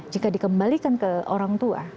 jika dikembalikan ke orang tua